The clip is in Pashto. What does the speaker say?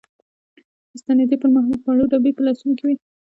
د ستنېدنې پر مهال خوړو ډبي په لاسونو کې وې.